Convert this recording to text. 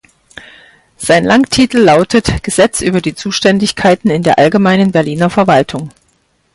Sein Langtitel lautet "Gesetz über die Zuständigkeiten in der Allgemeinen Berliner Verwaltung.